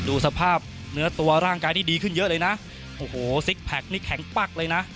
ดูสภาพเนื้อตัวร่างกายที่ดีขึ้นเยอะเลยนะโอ้โหซิกแพคนี่แข็งปั๊กเลยนะ